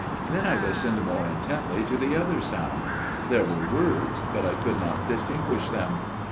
Then I listened more intently to the other sound; there were words, but I could not distinguish them.